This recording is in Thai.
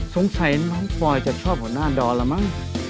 สงสัยน้องปอยจะชอบหัวหน้าดอนแล้วมั้ง